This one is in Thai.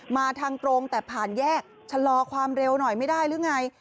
มาทางตรงแต่ผ่านแยกชะลอความเร็วหน่อยไม่ได้หรือไง